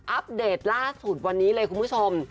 อัปเดตล่าสุดวันนี้เลยคุณผู้ชม